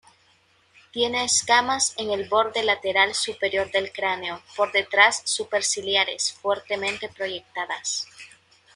Tiene escamas en el borde lateral superior del cráneo, por detrás superciliares, fuertemente proyectadas.